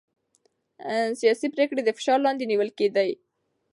سياسي پرېکړې د فشار لاندې نيول کېدې.